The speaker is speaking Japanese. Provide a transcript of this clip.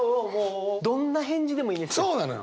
どんな返事でもいいんですよ。